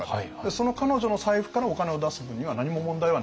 その彼女の財布からお金を出す分には何も問題はないんですよね。